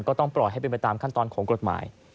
ก็ต้องปล่อยให้เป็นไปตามขั้นตอนของกฎหมาย